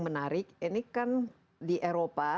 menarik ini kan di eropa